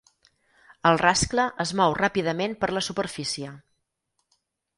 El rascle es mou ràpidament per la superfície.